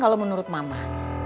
kalau menurut mama